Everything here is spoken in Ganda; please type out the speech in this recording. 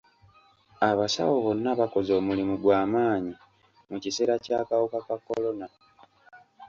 Abasawo bonna bakoze omulimu gw'amaanyi mu kiseera ky'akawuka ka kolona.